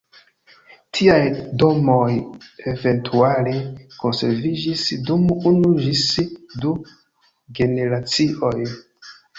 Tiaj domoj eventuale konserviĝis dum unu ĝis du generacioj.